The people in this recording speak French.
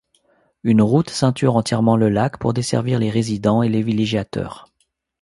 Une route ceinture entièrement le lac pour desservir les résidents et les villégiateurs.